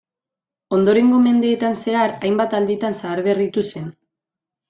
Ondorengo mendeetan zehar hainbat alditan zaharberritu zen.